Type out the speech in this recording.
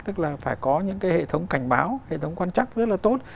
tức là phải có những cái hệ thống cảnh báo hệ thống quan chắc rất là tốt